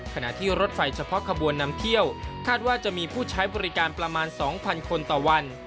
ขณะที่รถไฟเฉพาะขบวนนำเที่ยวคาดว่าจะมีผู้ใช้บริการประมาณ๒๐๐คนต่อวัน